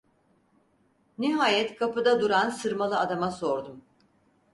Nihayet kapıda duran sırmalı adama sordum.